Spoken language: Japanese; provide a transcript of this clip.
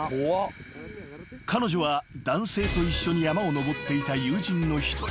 ［彼女は男性と一緒に山を登っていた友人の一人］